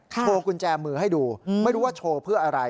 โชว์กุญแจมือให้ดูไม่รู้ว่าโชว์เพื่ออะไร